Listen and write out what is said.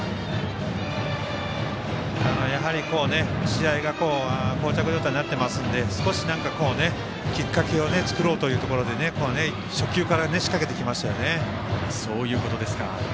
やはり試合がこう着状態になっていますので少しきっかけを作ろうというところで初球から仕掛けてきましたよね。